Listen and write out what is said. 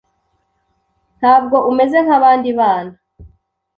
Ntabwo umeze nkabandi bana.